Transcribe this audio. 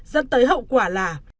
dẫn tới hậu quả là